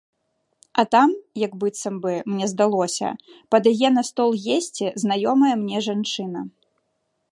А там як быццам бы, мне здалося, падае на стол есці знаёмая мне жанчына.